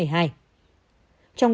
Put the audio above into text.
trong đồng hồ